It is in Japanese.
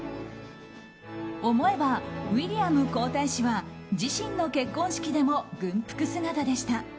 思えばウィリアム皇太子は自身の結婚式でも軍服姿でした。